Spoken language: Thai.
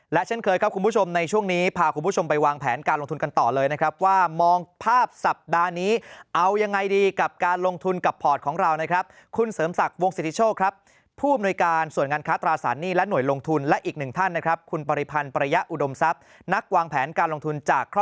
และเช่นเคยครับคุณผู้ชมในช่วงนี้พาคุณผู้ชมไปวางแผนการลงทุนกันต่อเลยนะครับว่ามองภาพสัปดาห์นี้เอายังไงดีกับการลงทุนกับพอร์ตของเรานะครับคุณเสริมศักดิ์วงสิทธิโชคครับผู้อำนวยการส่วนงานค้าตราสารหนี้และหน่วยลงทุนและอีกหนึ่งท่านนะครับคุณปริพันธ์ประยะอุดมทรัพย์นักวางแผนการลงทุนจากข้อ